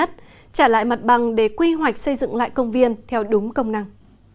trả lại mặt bằng để quy hoạch xây dựng lại công viên theo đúng công năng